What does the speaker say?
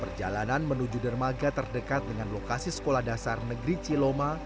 perjalanan menuju dermaga terdekat dengan lokasi sekolah dasar negeri ciloma